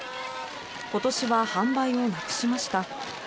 今年は販売をなくしました。